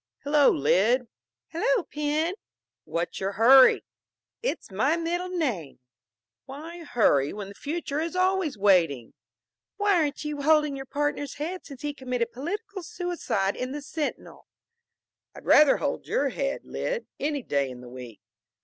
"Hello, Lyd!" "Hello, Pen!" "What's your hurry?" "It's my middle name." "Why hurry, when the future is always waiting?" "Why aren't you holding your partner's head since he committed political suicide in the Sentinel?" "I'd rather hold your head, Lyd, any day in the week."